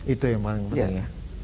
itu yang paling penting ya